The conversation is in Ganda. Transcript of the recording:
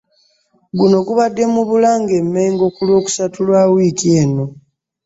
Guno gubadde mu Bulange Mmengo ku Lwokusatu lwa wiiki eno